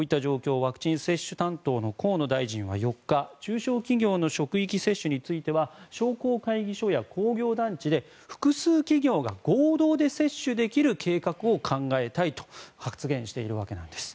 ワクチン接種担当の河野大臣は４日中小企業の職域接種については商工会議所や工業団地で複数企業が合同で接種できる計画を考えたいと発言しているわけなんです。